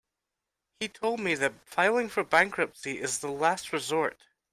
He told me that filing for bankruptcy is the last resort.